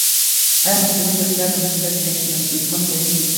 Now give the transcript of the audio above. ایا مصنوعي ځیرکتیا د مسؤلیت وېش نه ستونزمن کوي؟